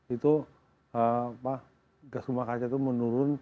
itu gas rumah kaca itu menurun tiga puluh